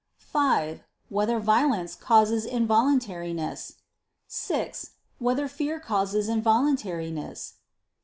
(5) Whether violence causes involuntariness? (6) Whether fear causes involuntariness?